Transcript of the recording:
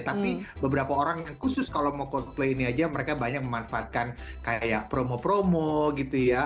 tapi beberapa orang yang khusus kalau mau coldplay ini aja mereka banyak memanfaatkan kayak promo promo gitu ya